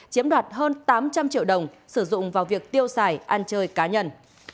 chiếm đoạt hơn tám trăm linh triệu đồng sử dụng vào việc tiêu xài ăn chơi cá nhân